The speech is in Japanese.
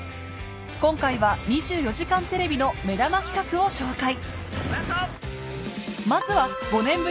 今回は『２４時間テレビ』の目玉企画を紹介